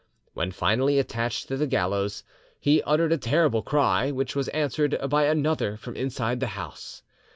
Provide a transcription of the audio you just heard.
When finally attached to the gallows, he uttered a terrible cry, which was answered by another from inside the house.